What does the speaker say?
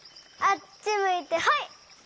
あっちむいてホイ！